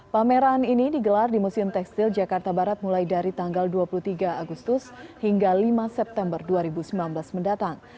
pameran ini digelar di museum tekstil jakarta barat mulai dari tanggal dua puluh tiga agustus hingga lima september dua ribu sembilan belas mendatang